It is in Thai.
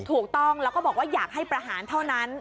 ถูกต้องแล้วก็บอกว่าอยากให้ประหารเท่านั้น